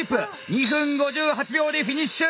２分５８秒でフィニッシュ！